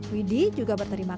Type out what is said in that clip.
widhi juga berterima kasih